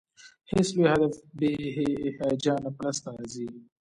هېڅ لوی هدف بې هیجانه په لاس نه راځي.